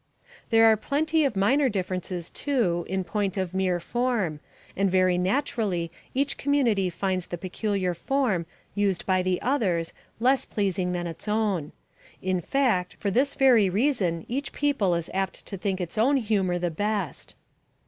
There are plenty of minor differences, too, in point of mere form, and very naturally each community finds the particular form used by the others less pleasing than its own. In fact, for this very reason each people is apt to think its own humour the best.